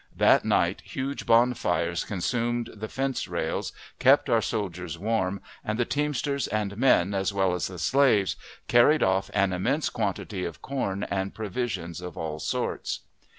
That night huge bonfires consumed the fence rails, kept our soldiers warm, and the teamsters and men, as well as the slaves, carried off an immense quantity of corn and provisions of all sorts.